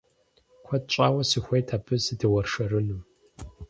Куэд щӀауэ сыхуейт абы сыдэуэршэрыну.